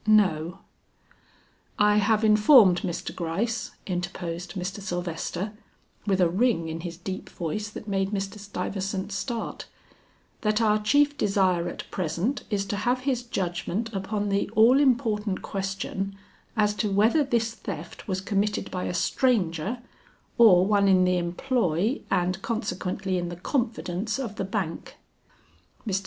"No." "I have informed Mr. Gryce," interposed Mr. Sylvester, with a ring in his deep voice that made Mr. Stuyvesant start, "that our chief desire at present is to have his judgment upon the all important question, as to whether this theft was committed by a stranger, or one in the employ and consequently in the confidence of the bank." Mr.